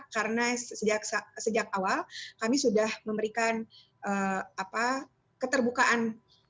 karena sejak awal kami sudah memberikan keterbukaan